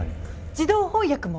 自動翻訳も？